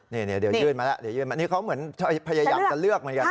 เดี๋ยวยื่นมาแล้วเดี๋ยวยื่นมาอันนี้เขาเหมือนพยายามจะเลือกเหมือนกันนะ